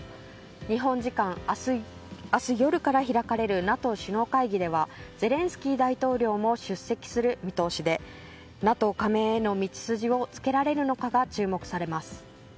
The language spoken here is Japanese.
日本時間明日夜から開かれるＮＡＴＯ首脳会議ではゼレンスキー大統領も出席する見通しでＮＡＴＯ加盟への道筋をつけられるのかが注目されます。